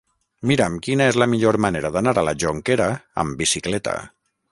Mira'm quina és la millor manera d'anar a la Jonquera amb bicicleta.